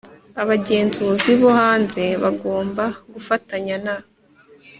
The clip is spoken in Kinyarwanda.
Abagenzuzi bo hanze bagomba gufatanya na